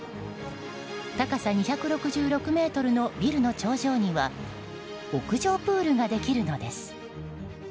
高さ２６６ｍのビルの頂上には屋上プールができるのです。